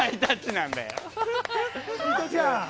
ミトちゃん